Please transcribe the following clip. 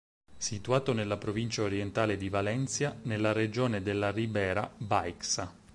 Situato nella provincia orientale di Valencia, nella regione della Ribera Baixa.